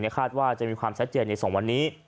ในคาดว่าจะมีความแสดงในสองวันนี้